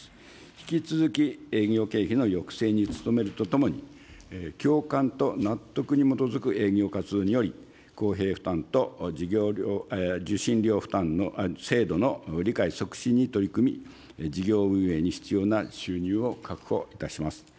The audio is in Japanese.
引き続き営業経費の抑制に努めるとともに、共感と納得に基づく営業活動により、公平負担と受信料制度の理解促進に取り組み、事業運営に必要な収入を確保いたします。